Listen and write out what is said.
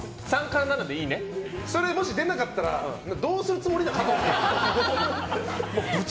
それ出なかったらどうするつもりなんですか。